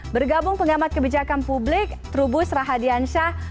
bergabung pengamat kebijakan publik trubus rahadiansyah